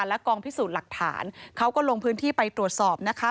และกองพิสูจน์หลักฐานเขาก็ลงพื้นที่ไปตรวจสอบนะคะ